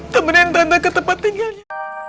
temenin tante ke tempat tinggalnya